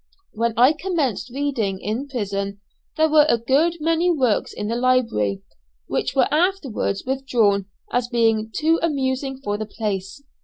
When I commenced reading in prison there were a good many works in the library, which were afterwards withdrawn as being too amusing for the place.